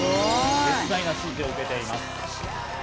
絶大な支持を受けています。